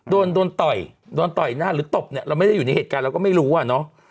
โดนโดนต่อยโดนต่อยหน้าหรือตบเนี่ยเราไม่ได้อยู่ในเหตุการณ์เราก็ไม่รู้อ่ะเนอะ